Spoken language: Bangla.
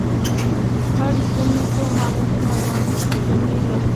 বাড়ির জন্যে তো মানুষ নয়, মানুষের জন্যই বাড়ি।